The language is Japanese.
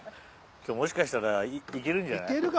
・それもしかしたらいけるんじゃない？